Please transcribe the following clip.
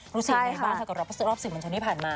รู้สึกไงบ้างค่ะกับรอบสินบัญชนที่ผ่านมา